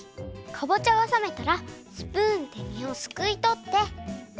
かぼちゃがさめたらスプーンでみをすくいとって。